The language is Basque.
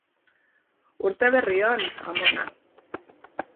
Urte berri on, amona!